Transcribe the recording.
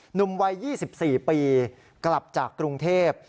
หนุ่มวัย๒๔ปีกลับจากกรุงเทพ